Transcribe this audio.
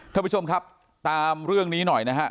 ท่านผู้ชมครับตามเรื่องนี้หน่อยนะฮะ